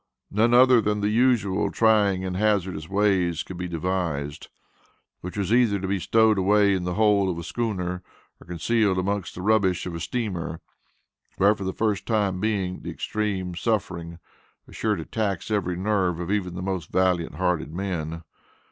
None other than the usual trying and hazardous ways could be devised which was either to be stowed away in the hold of a schooner, or concealed amongst the rubbish of a steamer, where, for the time being, the extreme suffering was sure to tax every nerve even of the most valiant hearted men.